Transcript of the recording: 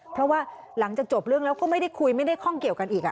เพราะว่าหลังจากจบเรื่องแล้วก็ไม่ได้คุยไม่ได้ข้องเกี่ยวกันอีก